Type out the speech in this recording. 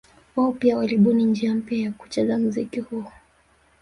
Wao pia walibuni njia mpya ya kucheza mziki huo